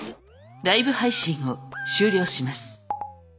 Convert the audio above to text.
ライブ配信を終了します。